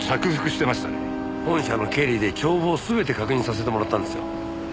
本社の経理で帳簿を全て確認させてもらったんですよ。